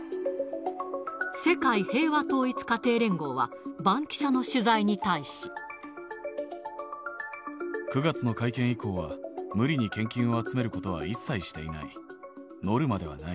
世界平和統一家庭連合は、バンキシャの取材に対し。９月の会見以降は、無理に献金を集めることは一切していない。